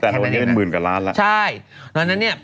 แต่ตอนนี้เป็นหมื่นกว่าล้านแล้วใช่ดังนั้นเนี่ย